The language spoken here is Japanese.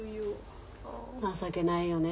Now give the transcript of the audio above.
情けないよね